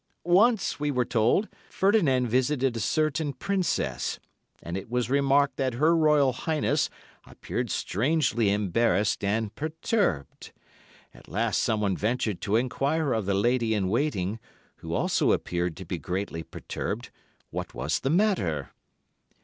Once, we were told, Ferdinand visited a certain Princess, and it was remarked that Her Royal Highness appeared strangely embarrassed and perturbed. At last someone ventured to enquire of the lady in waiting, who also appeared to be greatly perturbed, what was the matter.